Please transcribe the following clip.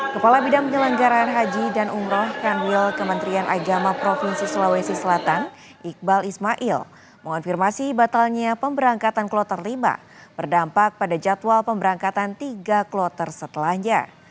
kepala bidang penyelenggaraan haji dan umroh kanwil kementerian agama provinsi sulawesi selatan iqbal ismail mengonfirmasi batalnya pemberangkatan kloter lima berdampak pada jadwal pemberangkatan tiga kloter setelahnya